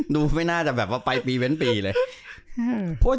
ไม่น่าจะแบบว่าไปปีเว้นปีเลย